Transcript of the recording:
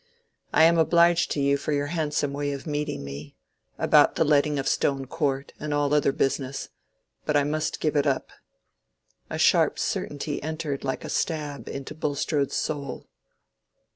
I am obliged to you for your handsome way of meeting me—about the letting of Stone Court, and all other business. But I must give it up." A sharp certainty entered like a stab into Bulstrode's soul.